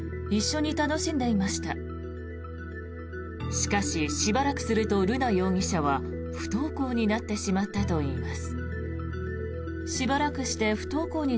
しかし、しばらくすると瑠奈容疑者は不登校になってしまったといいます。